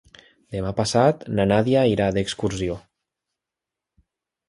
Demà passat na Nàdia irà d'excursió.